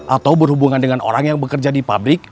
atau berhubungan dengan orang yang bekerja di pabrik